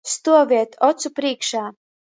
Stuovēt ocu prīškā.